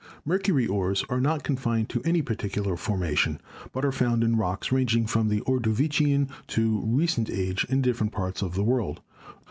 Mercury ores are not confined to any particular forma tion, but are found in rocks ranging from the Ordovician to Recent Age in different parts of the world.